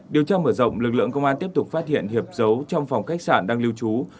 điều tra mở rộng lực lượng công an tiếp tục phát hiện hiệp dấu trong phòng khách sạn đang lưu trú